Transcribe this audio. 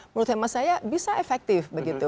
menurut hemat saya bisa efektif begitu